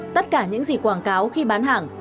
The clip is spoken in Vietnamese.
tất cả những gì quảng cáo khi bán hàng